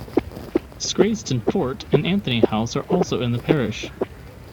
Scraesdon Fort and Antony House are also in the parish.